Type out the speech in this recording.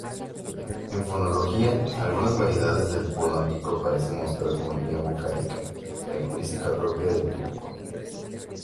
En fonología, algunas variedades del póntico parecen mostrar armonía vocálica, característica propia del turco.